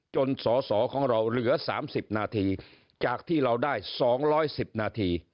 สอสอของเราเหลือ๓๐นาทีจากที่เราได้๒๑๐นาที